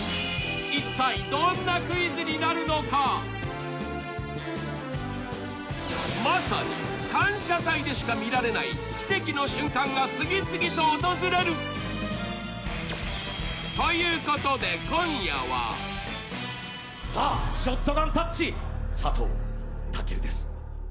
一体どんなクイズになるのかまさに感謝祭でしか見られない奇跡の瞬間が次々と訪れるということでさあショットガンタッチ佐藤健です